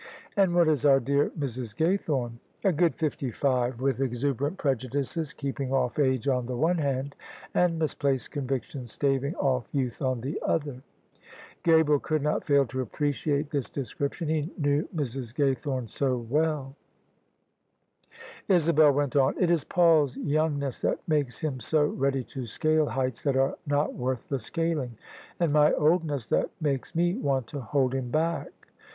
"And what is our dear Mrs. Gaythome?" " A good fifty five, with exuberant prejudices keeping off age on the one hand, and misplaced conviction staving off youth on the other." Gabriel could not fail to appreciate this description; he knew Mrs. Gaythorne so well. Isabel went on, " It is Paul's youngness that makes him so ready to scale heights that are not worth the scaling; and my oldness that makes me want to hold him back."